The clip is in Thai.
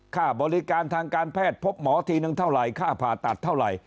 ค่าบริการทางการแพทย์พบหมอทีนึงเท่าไหร่ค่าผ่าตัดเท่าไหร่